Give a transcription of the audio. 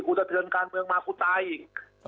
กูเถินการเมืองมาผมตายจน